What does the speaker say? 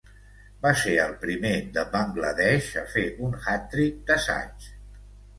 Va ser el primer de Bangladesh a fer un hat-trick d'assaig.